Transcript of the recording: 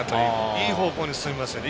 いい方向に進みますよね。